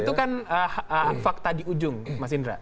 itu kan fakta di ujung mas indra